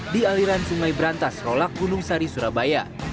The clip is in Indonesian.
di aliran sungai berantas rolak gunung sari surabaya